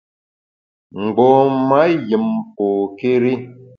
Mgbom-a yùm pôkéri.